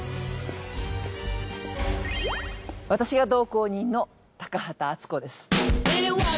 私が同行人の高畑淳子です。